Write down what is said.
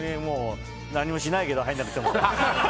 何もしないけど、入らなくても。